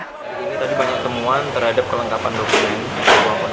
ini tadi banyak temuan terhadap kelengkapan dokumen